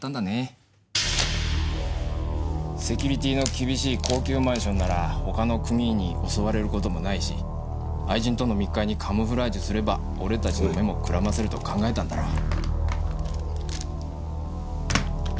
セキュリティーの厳しい高級マンションなら他の組員に襲われる事もないし愛人との密会にカムフラージュすれば俺たちの目もくらませると考えたんだろう。